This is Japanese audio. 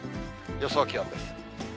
予想気温です。